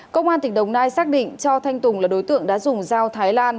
công an tỉnh đồng nai xác định cho thanh tùng là đối tượng đã dùng dao thái lan